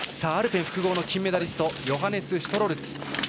アルペン複合の金メダリストヨハネス・シュトロルツ。